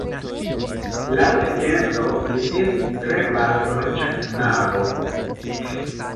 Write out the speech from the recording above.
Laŭ legendo, li estis tre malriĉa knabo.